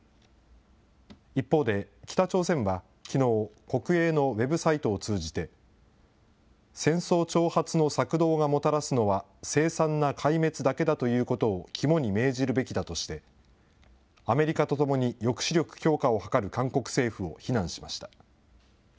一方で、北朝鮮はきのう、国営のウェブサイトを通じて、戦争挑発の策動がもたらすのは、凄惨な壊滅だけだということを肝に銘じるべきだとして、アメリカとともに抑止力強化を図る韓国政府を非難しました。